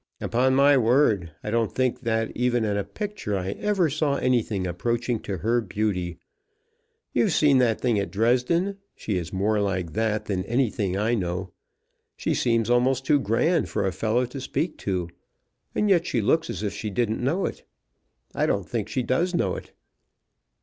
"Upon my word, I don't think that even in a picture I ever saw anything approaching to her beauty. You've seen that thing at Dresden. She is more like that than anything I know. She seems almost too grand for a fellow to speak to, and yet she looks as if she didn't know it. I don't think she does know it."